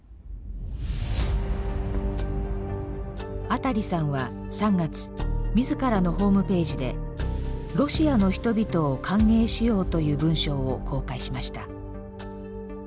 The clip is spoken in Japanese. アタリさんは３月自らのホームページで「ロシアの人々を歓迎しよう」という文章を公開しました。